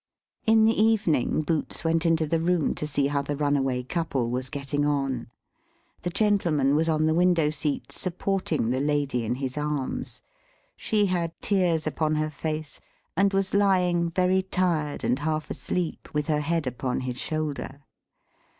In the evening, Boots went into the room to see how the runaway couple was getting on. The gentleman was on the window seat, supporting the lady in his arms. She had tears upon her face, and was lying, very tired and half asleep, with her head upon his shoulder.